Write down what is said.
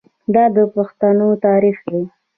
دا د پښتنو تاریخ دی.